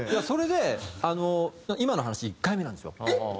それであの今の話１回目なんですよ。